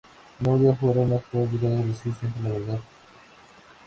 No volvían a jurar, pues estaban obligados a decir siempre la verdad.